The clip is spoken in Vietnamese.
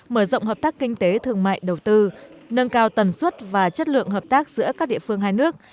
mở rộng hợp tác kinh tế thương mại đầu tư nâng cao tần suất và chất lượng hợp tác giữa các địa phương hai nước